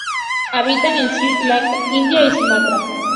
Habita en Sri Lanka, India y Sumatra.